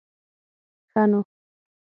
ښه نو.